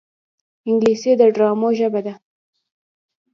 انګلیسي د ډرامو ژبه ده